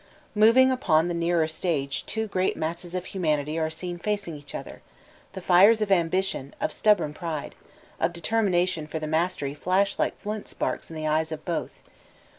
Moving upon the nearer stage two great masses of humanity are seen facing each other; the fires of ambition, of stubborn pride, of determina tion for the mastery flash like flint sparks in the eyes of both.